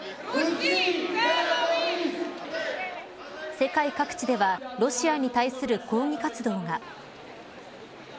世界各地ではロシアに対する抗議活動が。